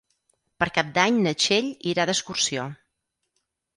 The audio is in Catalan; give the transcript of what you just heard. Per Cap d'Any na Txell irà d'excursió.